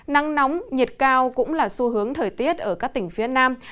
nắng nóng nhiệt cao cũng là xu hướng thời tiết ở các tỉnh phía nam